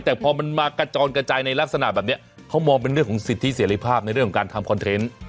แต่พอมันมากระจอนกระจายในลักษณะแบบนี้เขามองเป็นเรื่องของสิทธิเสรีภาพในเรื่องของการทำคอนเทนต์